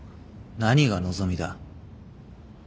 何が望みだ。